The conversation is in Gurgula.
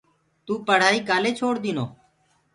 تو پڙهآئي ڪآلي ڇوڙ دينو۔